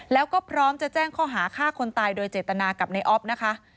แล้วก็พร้อมจะแจ้งข้อหาฆ่าคนตายโดยเจตนากับในออฟนะคะ